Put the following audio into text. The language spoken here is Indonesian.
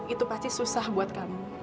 itu pasti susah buat kamu